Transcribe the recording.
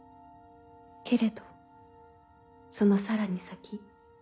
けれどそのさらに先。